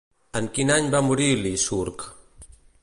En quin any va morir Licurg?